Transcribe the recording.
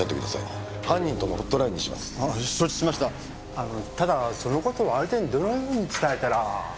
あのただその事を相手にどのように伝えたら。